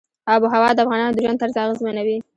آب وهوا د افغانانو د ژوند طرز اغېزمنوي.